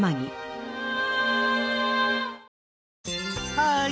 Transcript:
ハーイ！